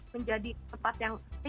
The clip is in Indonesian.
menjadi tempat yang